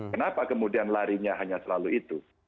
kenapa kemudian larinya hanya selalu itu